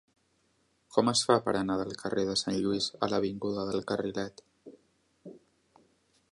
Com es fa per anar del carrer de Sant Lluís a l'avinguda del Carrilet?